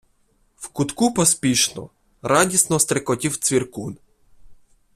В кутку поспішно, радісно стрикотів цвіркун.